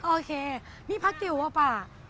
โอเคนี่พักจิ๋วป่ะ